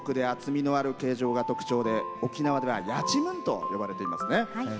素朴で厚みのある形状が特徴で沖縄ではやちむんと呼ばれていますね。